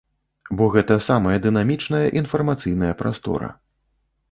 Бо гэта самая дынамічная інфармацыйная прастора.